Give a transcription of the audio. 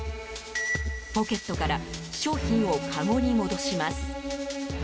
ポケットから商品をかごに戻します。